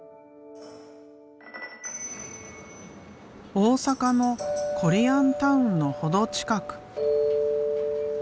大阪のコリアンタウンの程近く。